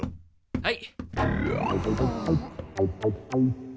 はい。